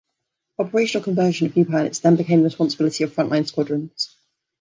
Operational conversion of new pilots then became the responsibility of front-line squadrons.